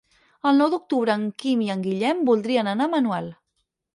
El nou d'octubre en Quim i en Guillem voldrien anar a Manuel.